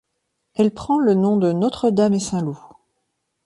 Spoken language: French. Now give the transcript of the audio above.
Elle prend le nom de Notre-Dame-et-Saint-Loup.